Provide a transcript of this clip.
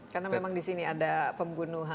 karena memang di sini ada pembunuhan